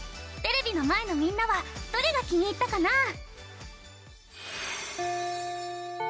テレビの前のみんなはどれが気に入ったかな？